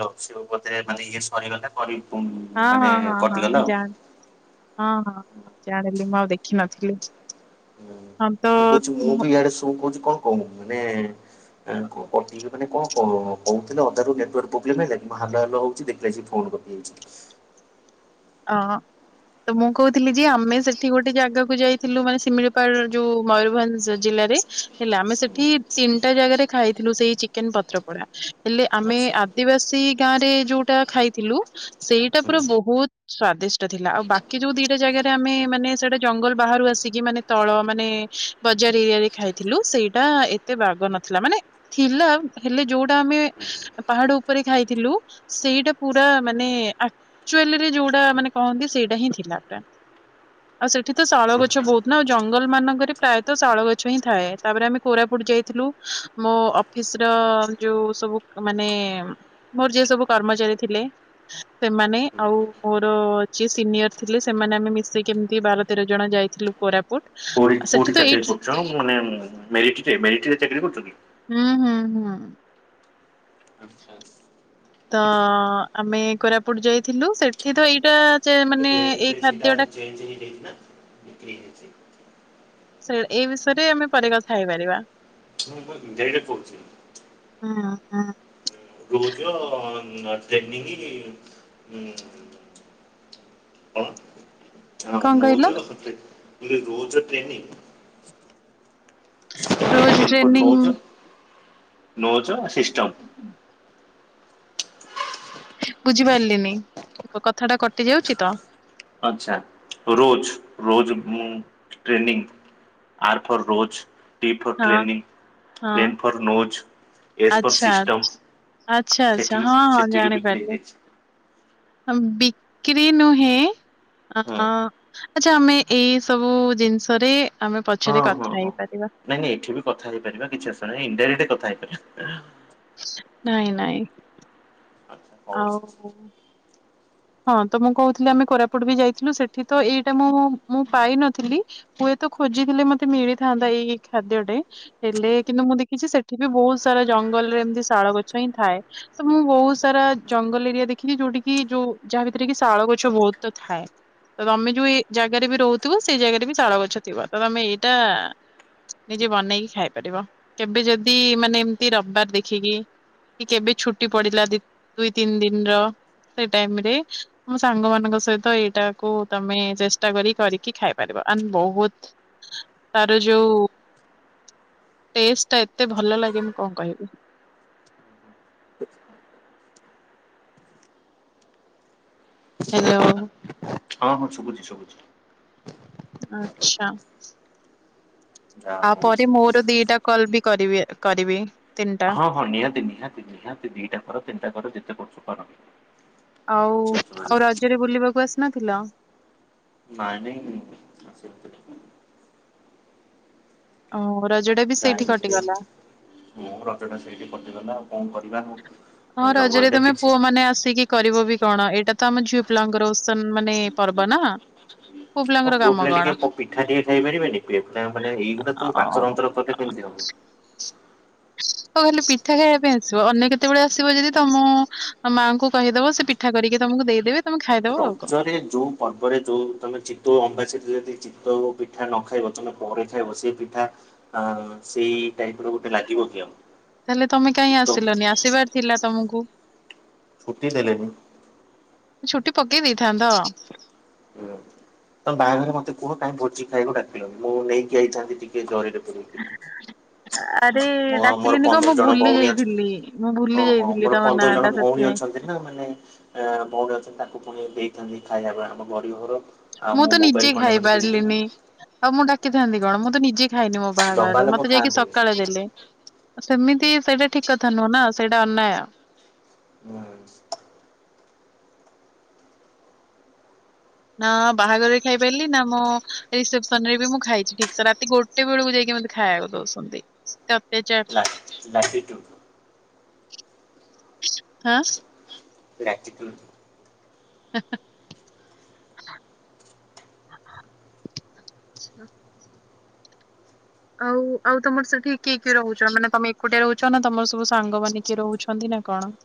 ଲ ସିବ ବୋଧେ ମାନେ ଇଏ ସରିଗଲା କରି ହଁ ହଁ ମାନେ ହଁ ହଁ କଟିଗଲା ଆଉ। ଜାଣ ହଁ ହଁ ଜାଣିଲି ମୁଁ ଆଉ ଦେଖିନଥିଲି। ହୁଁ ହଁ ତ ମୁଁ କହୁଛି ମୁଁ ବି ଇଆଡେ ସୁ କହୁଚି କଣ କହୁ ମାନେ ଆ କଣ କଟି ମାନେ କଣ କହୁଥିଲେ ଅଧାରୁ ନେଟୱାର୍କ ପ୍ରୋବ୍ଲେମ ହେଲା କି ମୁଁ ହାଲୋ ହାଲୋ ହୋଉଛି ଦେଖିଲା ସେକି ଫୋନ କ ହୁଁ। ଆଁ ତ ମୁଁ କହୁଥିଲି ଯେ ଆମେ ସେଠି ଗୋଟେ ଜାଗାକୁ ଯାଇଥିଲୁ ମାନେ ଶିମିଳିପାଳ ଯୋଉ ମୟୂରଭଞ୍ଜ ଜିଲ୍ଲାରେ ହେଲା ଆମେ ସେଠି ତିନିଟା ଜାଗାରେ ଖାଇଥିଲୁ ସେଇ ଚିକେନ ପତ୍ର ପୋଡା। ହେଲେ ଆମେ ଆଚ୍ଛା ହୁଁ ଆଦିବାସୀ ଗାଁ ରେ ଯୋଉଟା ଖାଇଥିଲୁ ସେଇଟା ପୁରା ଆଚ୍ଛା। ବହୁତ ସ୍ଵାଦିଷ୍ଟ ଥିଲା ଆଉ ବାକି ଯୋଉ ଦିଟା ଜାଗାରେ ଆମେ ମାନେ ସେଇଟା ଜଙ୍ଗଲ ବାହାରୁ ଆସିକି ମାନେ ତଳ ମାନେ ବଜାର ଏରିଆ ରେ ଖାଇଥିଲୁ ସେଇଟା ଏତେ ବାଗ ନଥିଲା। ମାନେ ଥିଲା ହେଲେ ଯୋଉଟା ଆମେ ପାହାଡ ଉପରେ ଖାଇଥିଲୁ ସେଇଟା ପୁରା ମାନେ ଆଚୁଆଲିରେ ଯୋଉଟା ମାନେ କହନ୍ତି ସେଇଟା ହିଁ ଥିଲା ପୁରା। ଆଉ ସେଠି ତ ଶାଳ ଗଛ ବହୁତ ନା ଆଉ ଜଙ୍ଗଲ ମାନଙ୍କରେ ପ୍ରାୟତଃ ଶାଳ ଗଛ ହିଁ ଥାଏ। ତାପରେ ଆମେ କୋରାପୁଟ ଯାଇଥିଲୁ। ମୋ ଅଫିସର ଯୋଉ ସବୁମାନେ ମୋର ଯିଏ ସବୁ କର୍ମଚାରୀ ଥିଲେ ସେମାନେ ଆଉ ମୋର ଯିଏ ସିନିୟର ଥିଲେ ସେମାନେ ଆମେ ମିଶୀକି ଏମିତି ବାର ତେର ଜଣ ଯାଇଥିଲୁ କୋରାପୁଟ। କୋଉଠି ଆଉ ସେଠି କୋଉଠି ତ ଚାକିରି ଏଇଠି କରୁଛ ମାନେ ମେରିଟରେ ମେରିଟରେ ଚାକିରି କରୁଚ କି? ହୁଁ ହୁଁ ହୁଁ। ଆଚ୍ଛା ଆଚ୍ଛା। ତ ଆମେ କୋରାପୁଟ ଯାଇଥିଲୁ ସେଠି ତ ଏଇଟା ଚେ ମାନେ ଏ ଟା ଚେଞ୍ଜେ ହେଇ ଯାଇଚିନା ବିକ୍ରି ହେଇଯାଇଛି। ସେ ଏଇ ବିଷୟରେ ଆମେ ପର କଥା ହେଇପାରିବା। ଯାଇକିଟା କହୁଛି। ହଁ ହଁ। ରୋଜ ଟ୍ରେନିଙ୍ଗ ଉଁ ହଁ କଣ କହିଲ ରୋଜ ରୋଜ trainee rose N for training nose nose system. ବୁଝିପାରିଲିନି ମୋ କଥା ଟା କଟି ଯାଉଛି ତ। ଆଛା ରୋଜ ରୋଜ ମୁ training R for rose T for ହଁ ଟ୍ରେନିଂ ହଁ ନ୍ ଫର୍ ନୋଜ। ଏସ ଫର ଆଚ୍ଛା ସିଷ୍ଟମ୍ ଆଚ୍ଛା ଆଚ୍ଛା ସେଠିକି ହଁ ହଁ ସେଠିକି ବିକ୍ରି ହେଇଯାଇଛି। ହମ୍ ବିକ୍ରି ନୁହେଁ ହଁ ଆଁ ଆଛା ଆମେ ଏଇ ସବୁ ଜିନିଷରେ ଆମେ ହଁ ପଛରେ ହଁ କଥା ହଁ ହେଇପାରିବା। ନାଇଁ ନାଇଁ ଏଠି ବି କଥା ହେଇପାରିବା କିଛି ଅସୁ ନାହିଁ। ଇନ୍‌ଡାଇରେକ୍ଟ କଥା ହେଇପାରିବା। ନାଇଁ ନାଇଁ। ଆଚ୍ଛା ହଉ ଆଉ ହଁ ତ ମୁଁ କହୁଥିଲି ଆମେ କୋରାପୁଟ ବି ଯାଇଥିଲୁ ସେଠି ତ ଏଇଟା ମୁଁ ମୁଁ ପାଇନଥିଲି। ହୁଏତ ଖୋଜିଥିଲେ ମତେ ମିଳିଥାନ୍ତା ଏଇ ଖାଦ୍ୟଟେ- ହେଲେ କିନ୍ତୁ ମୁଁ ଦେଖିଛି ସେଠି ବି ବହୁତ ସାରା ଜଙ୍ଗଲରେ ଏମିତି ଶାଳ ଗଛ ହିଁ ଥାଏ। ତ ମୁଁ ବହୁତ ସାରା ଜଙ୍ଗଲ ଏରିଆ ଦେଖିଛିି ଯୋଉଠି କିି ଯୋଉ ଯାହା ଭିତରେ କି ଶାଳ ଗଛ ବହୁତ ତ ଥାଏ। ତମେ ଯୋଉ ଇ ଜାଗାରେ ବି ରହୁଥିବ ସେଇ ଜାଗାରେ ବି ତାଳ ଗଛ ଥିବ ତ ତମେ ଏଇଟା ନିଜେ ବନେଇକି ଖାଇ ପାରିବ କେବେ ଯଦି ମାନେ ଏମିତି ରବାର ଦେଖିକି। କେବେ ଛୁଟି ପଡିଲା ଦି ଦୁଇ ତିନି ଦିନ ର ସେ ଟାଇମ ରେ ମୋ ସାଙ୍ଗମାନଙ୍କ ସହିତ ଏଇଟାକୁ ତମେ ଚେଷ୍ଟା କରିକି କରିକି ଖାଇପାରିବ ଆଣ୍ଡ ବହୁତ - ହଁ ତାର ଯୋଉ ଟେଷ୍ଟ ଟା ଏତେ ଭଲ ଲାଗେ ନି କଣ କହିବି। ହ୍ୟାଲୋ। ହଁ ହଁ ଶୁଭୁଛି ଶୁଭୁଛି। ଆଚ୍ଛା। ଯାହା ଆଉ ହଉ ପରେ ମୋର ଦିଟା କଲ ବି କରିବେ କରିବି। ତିନିଟା ହଁ ହଁ ନିହାତି ନିହାତି ନିହାତି ଦିଟା କର ତିନିଟା କର ଯେତେ କରୁଛ କର। ଆଉ କିଛି ଅସୁବିଧା ଆଉ ନାହିଁ ରଜରେ ବୁଲିବାକୁ ଆସିନଥିଲ? ନାଇଁ ନାଇଁ। ଓ ରଜଟା ବି ସେଇଠି କଟିଗଲା? ହୁ ରଜଟା ସେଇଠି କଟିଗଲା ଙ୍ଆଉ କଣ କରିବା। ହଁ ରଜରେ ଜଙ୍ଗଲରେ ତମେ କିଛି ପୁଅ ମାନେ ଆସିକି କରିବ ବି କଣ ଏଇଟା ତ ଆମ ଝିଅ ପଲାଙ୍କର ଓସନ ମାନେ ପର୍ବ ନା। ପୁଅ ପିଲାଙ୍କର କାମ ପୁଅପିଲା କଣ ଟିକେ ପିଠାଟିକେ ଖାଇପାରିବେନି ଏଗୁଡା ତୁମେ ପାତର ଅନ୍ତର ଆଉ କେମିତି ହବ। ହଉ ଖାଲି ପିଠା ଖାଇବା ପାଇଁ ଆସିବ ଅନ୍ୟ କେତେବେଳେ ଆସିବ ଯଦି ତମ ମାଆଙ୍କୁ କହିଦବ ସେ ପି ଠା କରିକି ତମକୁ ଦେଇଦେବେ। ତମେ ଖାଇଦବ। ଆଉ କଣ। ରଜରେ ଯୋଉ ପର୍ବରେ ଯୋଉ ତମେ ଚିତଉ ଅମାବାସ୍ୟା ଥିଲେ ଚିତଉ ପିଠା ନ ଖାଇବ ତମେ ପରେ ଖାଇବ ସେ ପିଠା - ହ ସେଇ ଟାଇପ ର ଗୋଟେ ଲାଗିବ କି ଆଉ? ତାହେଲେ ତମେ କାହିଁ ତ ଆସିଲନି ଆସିବାର ଥିଲା ତମକୁ। ଛୁଟି ଦେଲେନି। ଛୁଟି ପକେଇ ଦେଇଥାନ୍ତ। ହୁ। ତମ ବାହାଘରେ ମତେ କୁହ କାହିଁ ଭୋଜି ଖାଇକୁ ଡାକିଲନି ମୁ ନେଇି ଆାଇଥାନ୍ତି ଟିକିଏ ଜରିରେ ପୁରେଇକି। ହ [inaudible] ଆରେ ମୋ ମୋର ଡାକିଲିନି କହ ପନ୍ଦର ମୁଁ ଜଣ ଭୁଲି ଭଉଣୀ ଅଛି ଯାଇଥିଲି ମୁଁ ଭୁଲି ଓହୋ ମୋର ଯାଇଥିଲି ତମ ପନ୍ଦର ନାଁ ଜଣ ଟା ଭଉଣୀ ସେଥିପାଇଁ- ଅଛନ୍ତି ମାନେ ବଉଡ ଅଛନ୍ତି ତାକୁ ପୁଣି ଦେଇଥାନ୍ତି ଖାଇବା ବ ଆମ ଗରିବ ଘର। ଆଉ ମୁଁ ତ ମୋବାଇଲ ନିଜେ ଖଣ୍ଡେ ଖାଇ ଖଣ୍ଡେ ଦେଇଦେବି ପାରିଲିନି। ତମକୁ କଣ ଡାକିଥାନ୍ତି କଣ ମୁଁ ତ ନିଜେ ଖାଇନି ମୋ ଦବା ବାହାଘରରେ ଲୋକ ମତେ ଯାଇକି ଖାଆନ୍ତିନି। ସକାଳେ ଦେଲେ। ସେମିତି ସେଇଟା ଠିକ କଥା ନୁହଁ ନା ସେଇଟା ଅନ୍ୟାୟ। ହୁଁ। ନା ବାହାଘରରେ ଖାଇପାରିଲି ନା ମୋ ରିସେପସନ ରେ ବି ମୁଁ ଖାଇଛି ଠିକସ ରାତି ଗୋଟେ- ଟେ ବେଳକୁ ଯାଇକି ମୋତେ ଖାଇବାକୁ ଦଉଛନ୍ତି। ଏତେ ଅତ୍ୟାଚାର ଲାଟିଚୁଡ୍ ଆ [unintelligible] ହା ହା ଆଉ ଆଉ ତମର ସେଠି କିଏ କିଏ ରହୁଛ। ମାନେ ତମେ ଏକୁଟିଆ ରହୁଛ ନା ତମର ସବୁ ସାଙ୍ଗମାନେ କିଏ ରହୁଛନ୍ତି ନା କଣ?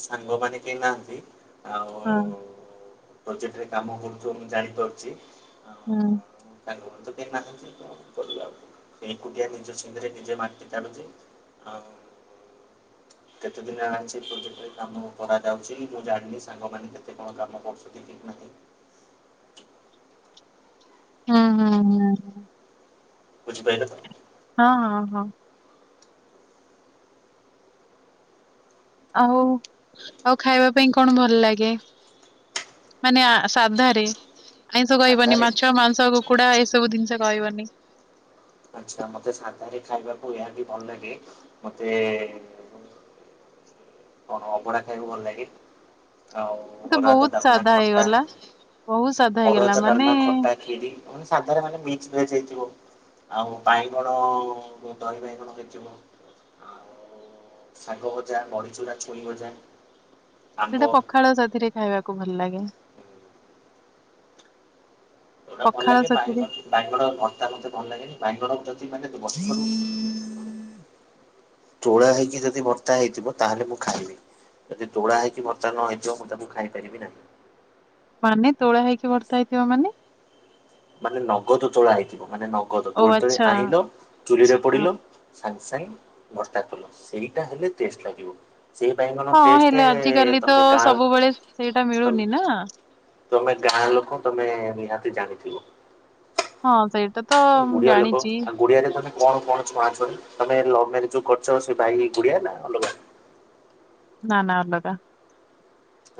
ସାଙ୍ଗ ମାନେ କେହି ନାହାନ୍ତି। ହଁ ଆଉ ପ୍ରଜେକ୍ଟରେ କାମ କରୁଚ ମୁଁ ଜାଣିପାରୁଛି। ହୁଁ। ତାଙ୍କ ଘରକୁ ତ କେହି ନାହାନ୍ତି କଣ କରିବା ଏକୁଟିଆ ନିଜ ଛିନ୍ଦରେ ନିଜେ ମାଟି ତାଡୁଛି। ଆଉ କେତେ ଦିନ ହେଲା ଅଛି ପୂ କାମ କରାଯାଉଛି। ମୁଁ ଜାଣିନି ସାଙ୍ଗମାନେ କେତେ କଣ କାମ କରୁଛନ୍ତି ଠିକ୍ ନାହିଁ। ହଁ ହଁ ହଁ ହଁ। ବୁଝିପାଇଲେ ତ। ହଁ ହଁ ହଁ। ଆଉ ଆଉ ଖାଇବା ପାଇଁ କଣ ଭଲ ଲାଗେ? ମାନେ ସାଧାରେ ଆଇଁଷ କହିବନି ସାଧାରେ ମାଛ ମାଂସ କୁକୁଡ଼ା ଏସବୁ ଜିନିଷ କହିବନି। ଆଚ୍ଛା ମତେ ସାଧାରେ ଖାଇବାକୁ ଏହା ବି ଭଲ ଲାଗେ ମତେ ଅଭଡା ଖାଇବାକୁ ଭଲ ଲାଗେ। ଆଉ ତ ଅରୁଆ ଭାତ ବହୁତ ଡାଲମା ସାଧା ଖଟା ହେଇଗଲା ବହୁତ ସାଧା ଅରୁଆ ହେଇଗଲା ଭାତ ମାନେ ଡାଲମା ଖଟା କ୍ଷୀରି ସାଧ ରେ ମାନେ ମିକ୍ସ ଭେଜ ହେଇଥିବ। ଆଉ ବାଇଗଣ ଦହି ବାଇଗଣ କେଚିବ। ଆଉ ଶାଗଭଜା ବଡ଼ିଚୁରା ଛୁଇଁ ଭଜା ଆମ୍ବ ସେଇଟା ପଖାଳ ସାଥିରେ ଖାଇବାକୁ ଭଲ ଲାଗେ। ଯୋଉଟା ଭଲ ପଖାଳ ଲାଗେ ପାଣି ସାଥିରେ ବାଙ୍ଗଲୋର ଭର୍ତ୍ତା ମତେ ଭଲ ଲାଗେନି। ବାଙ୍ଗଲୋର ଯଦି ମାନେ ବ୍ୟବସ୍ଥା କର ତୋଳା ହେଇକି ଯଦି ଭର୍ତ୍ତା ହେଇଥିବ ତାହେଲେ ମୁଁ ଖାଇବି। ଯଦି ତୋଳାହେଇକି ଭଜା ନ ହେଇ ଥିବ ମୁଁ ତାକୁ ଖାଇପାରିବି ନାହିଁ। ମାନେ ତୋଳା ହେଇକି ଭର୍ତ୍ତା ହେଇଥିବ ମାନେ। ମାନେ ନଗଦ ତୋଳ ହେଇଥିବ ମାନେ ନଗଦ ଓ ତୋଳି ତୋଳି ଆଚ୍ଛା। ଆଣିଲ। ଚୁଲିରେ ପୋଡ଼ିଲ ସାଙ୍ଗେ ସାଙ୍ଗେ ଭ୍ରାତା କଲ ସେଇଟା ହେଲେ ଟେଷ୍ଟ ଲାଗିବ। ସେଇ ବାଇଗଣ ହଁ ହଁ ହେଲେ ଟେଷ୍ଟ ଆଜିକାଲି ତ ତମେ ଗାଁ ସବୁବେଳେ ସେଇଟା ମିଳୁନି ନା ତମେ ଗାଁ ଲୋକ ତମେ ନିହାତି ଜାଣିଥିବ। ହଁ ସେଇଟା ତ ମୁଁ ଗୁଡିଆ ଲୋକ ଜାଣିଚି। ଆଉ ଗୁଡିଆରେ ତମେ କଣ କଣ ଛଣା ଛଣି ତମେ ଲଭ ମ୍ୟାରେଜ ଯୋଉ କରିଛ ସେ ଭାଇ ଗୁଡିଆ ନା ଅଲଗା। ନା ନା ଅଲଗା।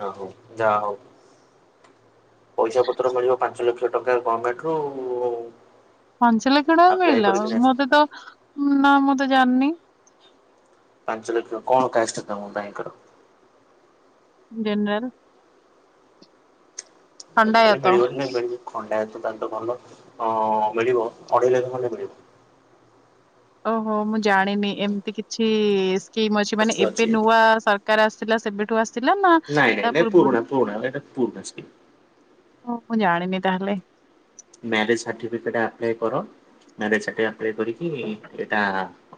ଓ ହୋ ଯାହା ହଉ ପଇସା ପତ୍ର ମିଳିବ। ପାଞ୍ଚ ଲକ୍ଷ ଟଙ୍କା ଗଭର୍ଣ୍ଣମେଣ୍ଟରୁ। ପାଞ୍ଚ ଲକ୍ଷ ଟଙ୍କା ମିଳିଲା ମତେ ତ ନା ମୁଁ ତ ଜାଣିନି। ପାଞ୍ଚ ଲକ୍ଷ କଣ କାଷ୍ଟ ତମ ଭାଇଙ୍କର? ଯେନରାଲ। ନ ହେଲେ ଖଣ୍ଡାୟତ ମିଳିବନି ମିଳିବ ଖଣ୍ଡାୟତଟା ତ ଭଲ ମିଳିବ ଅଢ଼େଇ ଲକ୍ଷ ଖଣ୍ଡେ ମିଳିବ। ଓହୋ ମୁଁ ଜାଣିନି। ଏମିତି କିଛି ସ୍କିମ୍ ଅଛି ମାନେ ଏବେ ନୂଆ ସାର କାର ଆସିଲା ସେବେଠୁ ଆସି ନାଇଁ ନାଇ ନାଇଁ ପୁରୁଣା ପୂରୁଣା ଏଟା ପୂରୁଣା ଓ ମୁଁ ଜାଣିନି ତାହେଲେ। ମ୍ୟାରେଜ୍ ସାର୍ଟିଫିକେଟ ଆପ୍ଲାଏ କର। ମ୍ୟାରେଜ ସାର୍ଟିଫିକେଟ ଆପ୍ଲାଏ କରି ଅଟା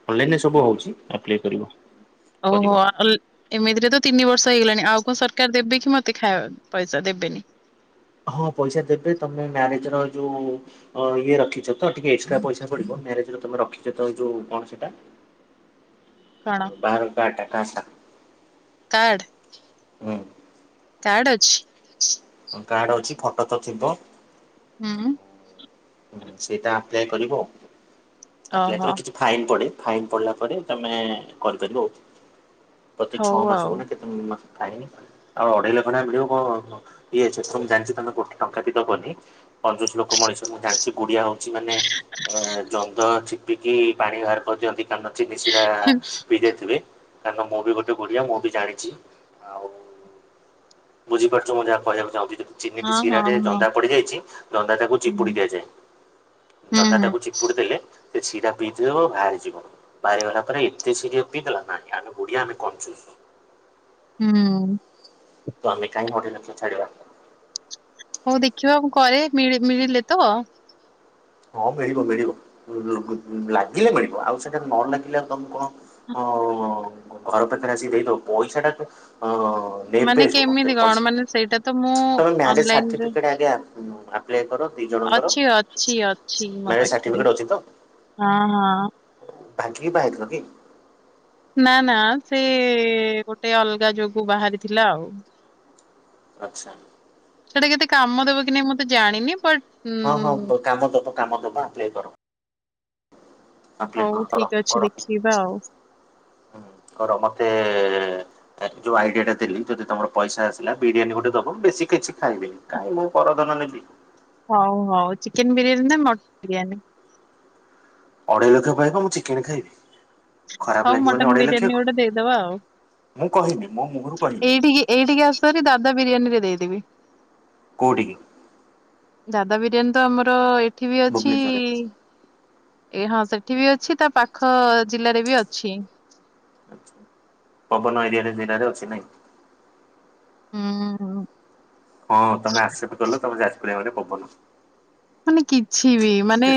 ଅର୍ଲନାଇଁନ ସବୁ ହୋଉଛି। ଅପ୍ପଳାଏ କରିବ। ଓହୋ କରିବ ଅଲ ଏମିତିରେ ତ ତିନି ବର୍ଷ ହେଇଗଲାଣି ଆଉ କଣ ସରକାର ଦେବେ କି ମତେ ଖାଇବା ପଇସା ଦେବେନି। ହଁ ପଇସା ଦେବେ ତମେ ମ୍ୟାରେଜ ର ଯୋଉ ହ ଇଏ ରଖିଛ ତ ଟିକେ ଏକ୍ସଟା ପଇସା ପଡିବ ମ୍ୟାରେଜରେ ତମେ ରଖିଛ ତ ଯୋଉ କଣ ସେଟା କଣ? ବାହା ଘର କାଟ ଟା କାଷ୍ଟ ଟା। କାଡ଼। ହୁଁ। କାଡ ଅଛି। କାର୍ଡ ଅଛି ଫଟ ତ ଥିବ। ହୁଁ। ସେଇଟା ଆପ୍ଲାଏ କରିବ ଆପ୍ଲାଏ ଓହୋ କଲେ କିଛି ଫାଇନ୍ ପଡେ ଫାଇନ୍ ପଡିଲା ପରେ ତମେ କରିପାରିବ ଆଉ ପ୍ରତି ଛଅ ହଉ ମାସକୁ ଆଉ ନା କେତେ ହୁଁ ନ ଥାଏ ଆଉ ଅଢ଼େଇ ଲେଖେ ଖଣ୍ଡେ ମିଳିବ କଣ ଇଏ ଏଛ ସବୁ ଜାଣିଚି ତମେ ଗୋଟେ ଟଙ୍କା ବି ଦବନି କଞ୍ଜୁସ ଲୋକ ମଣିଷ ମୁଁ ଜାଣିଛି ଗୁଡିଆ ହଉଚି ମାନେ ଏ ଜନ୍ଦ ଚିପିକି ପାଣି ବାହାର କରିଦିଅନ୍ତି। ହୁଁ, [unintelligible] ପିଦେଇ ଥିବେ କାରଣ ମୁଁ ବି ଗୋଟେ ଗୁଡିଆ ମୁଁ ବି ଜାଣିଛି ଆଉ ବୁଝି ପାରୁଚୁ ମୁଁ ଯହା କହିବା ଚାହୁଁଚି ଯେ ଚିନି ବି ହଁ ହଁ ଶିରାରେ ହଁ। ଜନ୍ଦା ପଡ଼ିଯାଇଚି ଜନ୍ଦାଟାକୁ ହୁଁ ଚିପୁଡ଼ି ଦିଆଯାଏ ହୁଁ ଜନ୍ଦାଟାକୁ ଚି ଚିପୁଡ଼ି ଦେଲେ ସେ ଶିରା ପିଇ ଥିବ ବାହାରି ଯିବ। ବାହାରିଗଲା ପରେ ଏମିତି ସିଆ ପିଇଗଲା ନାହି ଆମେ ଗୁଡିଆ ଆମେ କୁୁରୁଚୁ। ହୁଁ। ତମେ କାଇଁ [unintelligible] ଛାଡ଼ିବ। ହଉ ଦେଖିବା ମୁଁ କରେ ମି ମିଳିଲେ ତ- ହଁ ମିଳିବ ମିଳିବ ଉ ଲାଗିଲେ ମିଳିବ ଆଉ ସେଠାରେ ନ ଲାଗିଲେ ଆଉ ତମେ କଣ ଅ ଘର ପାଖରେ ଆସିକି ଦେଇଦବ ପଇସାଟା ତ ଅ- ମାନେ ଦେବେ ସବୁ ମତେ କେମିତି କଣ ମାନେ ପଇସା ସେଇଟା ତ ମୁଁ ତୋ ମ୍ୟରେଜ୍ ଅନଲାଇନ ରେ ସାର୍ଟିଫିକେଟ ଆଗେ ଆଣନୁ ଆ ପ୍ଲେ କର ଦି ଜଣଙ୍କର ଅଛି ଅଛି ଅଛି। ମୋ ମ୍ୟାରେଜ ପାଖରେ ସାର୍ଟିଫିକେଟ୍ ଅଛି ତ। ହଁ ହଁ। ଭାଗିକି ବାହାହେଇ ଥିଲ କି? ନା ନା ସେ ଗୋଟେ ଅଲଗା ଯୋଗୁ ବାହାରିଥିଲା ଆଉ। ଆଚ୍ଛା। ସେଇଟା କେତେ କାମ ଦବ କି ନାହିଁ ମୁ ତ ଜାଣିନି ବଟ୍ ହଁ ହଁ ଉଁ ବ କାମ ଦବ କାମ ଦବ ଆପଲ୍ଲାଏ କର। ଆପ୍ଲାଏ ହଉ କର ଠିକ ଅଛି କର ଦେଖିବା ଆଉ ହୁଁ କର ମତେ ଆ ଯୋଉ ଆଇଡିଆ ଟା ଦେଲି ଯଦି ତମର ପଇସା ଆସିଲା ବିରିୟାନୀ ଗୋଟେ ଦବ ବେଶୀ କିଛି ଖାଇବିନି କାଇଁ ମୁଁ ପରଧନ ନେବି। ହଉ ହଉ ଚିକେନ ବିରିୟାନୀ ନା ମଟନ୍ ବିରିୟାନୀ। ଅଢେଇ ଲକ୍ଷ ପାଇବ ମୁଁ ଚିକେନ ଖାଇବି। ଖରାପ ହଉ ଲାଗିବନି ମଟନ ଅଢେଇ ବିରିୟାନୀ ଲକ୍ଷକୁ ଗୋଟେ ଦେଇଦବା ଆଉ। ମୁଁ କହିନି ମୋ ମୁହଁରୁ କହିନି। ଏଇଠିକି ଏଇଠିକି ଆସ ହାରି ଦାଦା ବିରିୟାନୀରେ ଦେଇଦେବି। କୋଉଠିିକି? ଦାଦା ବିରିୟାନୀ ତ ଆମର ଏଠି ବି ଅଛି। ଭୁବନେଶ୍ୱରରେ ଏ ହଁ ସେଠି ବି ଅଛି ତା ପାଖ ଜିଲ୍ଲାରେ ବି ଅଛି। ପବନ ଏରିଆରେ ଜିଲ୍ଲାରେ ଅଛି ନାଇଁ। ହୁଁ ଉଁ। ହଁ ତମେ ଆସେପ୍ଟ କଲ ତମେ ଯାଜପୁରିଆ ମାନେ ପବନ। ମାନେ କିଛି ବି ମାନେ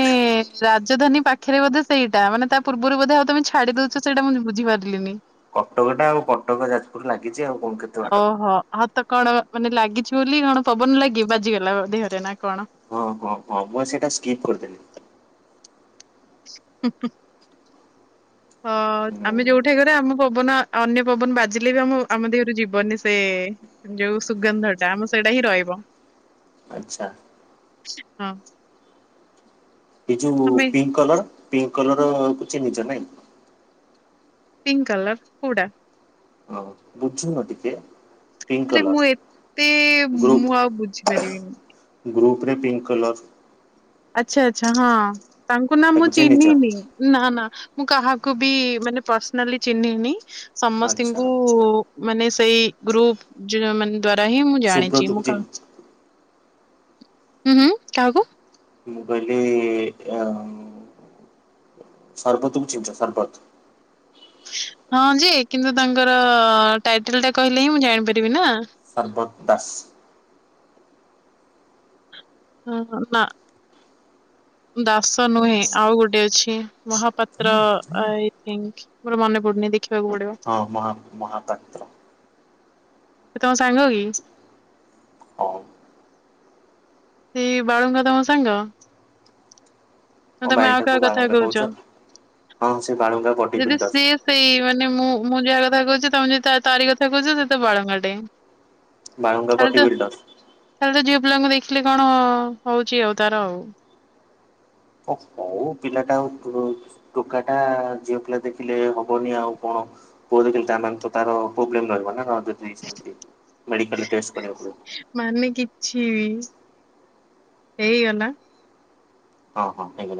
ରାଜଧାନୀ ପାଖରେ ବୋଧେ ସେଇଟା ମାନେ ତା ପୂର୍ବରୁ ବୋଧେ ଆଉ ତମେ ଛାଡି ଦଉଛ ସେଇଟା ମୁଁ ବୁଝିପାରିଲିନି। କଟକ ଟା ଆଉ କଟକ ଯାଜପୁର ଲାଗିଛି ଆଉ କଣ କେ ଓହୋ ହ ତ କଣ ମାନେ ଲାଗିଛି ବୋଲି କଣ ପବନ ଲାଗି ବାଜିଗଲା ଦେହରେ ନା କଣ। ହଁ ହଁ ହଁ ମୁଁ ସେଇଟା ସ୍କିପ୍ କରିଦେଲି। ହୁଁ ହୁଁ ହଁ ହୁଁ ଆମେ ଯୋଉଠି କରିଆ ଆମୁ ପବନା ଆଉ ଅନ୍ୟ ପବନ ବାଜିଲେ ବି ଆମୁ ଆମ ଦେହରୁ ଯିବନି ସେ ଯୋଉ ସୁଗନ୍ଧଟା ଆମ ସେଇଟା ହିଁ ରହିବ। ଆଚ୍ଛା। ହଁ। ଏଇ ଯୋଉ ତମେ ପିଙ୍କ କଲର ପିଙ୍କ କଲର ଚିହ୍ନିଚ ନାଇଁ? ପିଙ୍କ କଲର୍ କୋଉଟା? ହଁ ବୁଝୁନ ଟିକେ। ପିଙ୍କ ଆରେ କଲର ମୁଁ ଏତେ ମୁଁ ଆଉ ବୁଝିପାରିବିନି। ଗ୍ରୁପରେ ପିଙ୍କ କଲର୍ ଆଛା ଆଛା ହଁ ତାଙ୍କୁ ନା ମୁଁ ତାକୁ ଚିହ୍ନିଛ ଚିହ୍ନିନି। ନା ନା ମୁଁ କାହାକୁ ବି ମାନେ ପର୍ସନାଲି ଚିହ୍ନିନି ଆଚ୍ଛା ସମସ୍ତିଙ୍କୁ ମାନେ ସେଇ ଗ୍ରୁପ ଯୋ ମାନେ ଦ୍ଵାରା ହିଁ ମୁଁ ଜାଣିଚି ସୁବ୍ରତକୁ ମୁଁ କଁ ଚିହ୍ନିଚ ହୁଁ ହୁଁ କାହାକୁ? ମୁଁ କହିଲି ଅ ସରବତକୁ ଚିହ୍ନିଚ ସରବତ? ହଁ ଯେ କିନ୍ତୁ ତାଙ୍କର ଟାଇଟେଲ ଟା କହିଲେ ହିଁ ମୁଁ ଜାଣିପାରିବି ନା। ସରବତ ଦାସ୍। ହଁ ହଁ ନା। ଦାସ ନୁହେଁ ଆଉ ଗୋଟେ ଅଛି ମହାପାତ୍ର ଆଏ ଥିଙ୍କ୍ ମୋର ମନେପଡୁନି ଦେଖିବାକୁ ପଡିବ। ହଁ ମହା ମହାପାତ୍ର। ସେ ତମ ସାଙ୍ଗ କି? ହଁ ସେଇ ବାଳୁଙ୍ଗା ତମ ସାଙ୍ଗ। ନା ମୋ ତମେ ଆଉ ଭାଇଟାକୁ କାହା କଥା ବାଳୁଙ୍ଗା କୋହୁଚ କହୁଛ ହଁ ସେ ବାଳୁଙ୍ଗା ବଡି ଯୋଦି ବିଲ୍ଡର ସିଏ ସେଇ ମାନେ ମୁଁ ମୁଁ ଯାହା କଥା କୋହୁଚି ତମେ ଯଦି ତା ତାରି କଥା କୋହୁଚ ସେତ ବଳଙ୍ଗାଟେ। ବାଳୁଙ୍ଗା ପଟି ବୋଲି ଦାସ୍। ତାର ତ ଝିଅ ପିଲାଙ୍କୁ ଦେଖିଲେ କଣ ହୋଉଚି ଆଉ ତାର ଆଉ। ଓ ହୋଉ ପିଲାଟା ଆଉ ଉଖୁରୋଉ ଟୋକାଟା ଝିଅପିଲା ଦେଖିଲେ ହବନି ଆଉ କଣ ପୁଅ ଦେଖିଲେ ତା ନହଲେ ତ ତାର ପ୍ରୋବ୍ଲେମ୍ ରହିବ ନା କଣ ଯଦି ସେମତି ମେଡିକାଲ ଟେଷ୍ଟ କରିବାକୁ ପଡିବ। ମାନେ କିଛି ଏଇଆନା? ହଁ ହଁ ହେଇଗଲା।